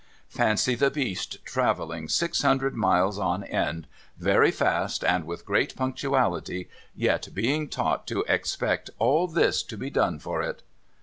Fancy the Beast travelling six hundred miles on end, very fast, and with great punctuality, yet being taught to expect all this to be done for it